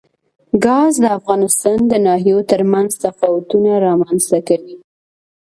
ګاز د افغانستان د ناحیو ترمنځ تفاوتونه رامنځ ته کوي.